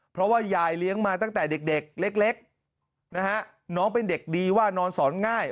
เพราะว่ายายเลี้ยงมาตั้งแต่เด็กเล็กนะฮะน้องเป็นเด็กดีว่านอนสอนง่าย